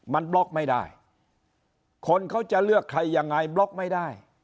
มันบล็อกไม่ได้คนเขาจะเลือกใครยังไงบล็อกไม่ได้